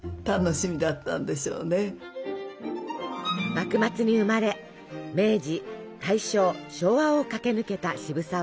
幕末に生まれ明治大正昭和を駆け抜けた渋沢栄一。